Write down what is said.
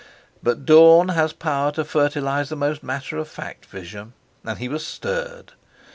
But dawn has power to fertilise the most matter of fact vision, and he was stirred.